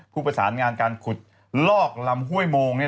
ผู้ประสานงานการขุดลอกลำห้วยโมง